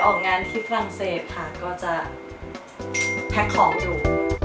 ออกงานที่ฝรั่งเศสค่ะก็จะแพ็คของอยู่